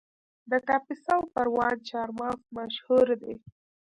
د کاپیسا او پروان چهارمغز مشهور دي